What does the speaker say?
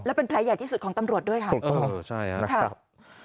เป็นแผลใหญ่ที่สุดของตำรวจด้วยค่ะถูกต้องใช่ครับ